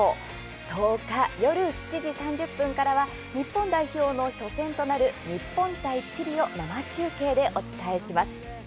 １０日、夜７時３０分からは日本代表の初戦となる日本対チリを生中継でお伝えします。